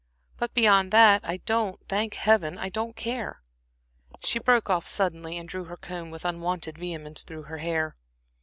But beyond that, I don't thank Heaven! I don't care." She broke off suddenly, and she drew her comb with unwonted vehemence through her hair.